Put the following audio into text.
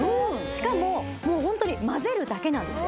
しかももうホントにまぜるだけなんですよ